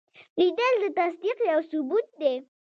لیدل د تصدیق یو ثبوت دی